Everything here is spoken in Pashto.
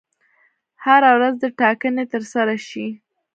هره ورځ دي ټاکنې ترسره شي.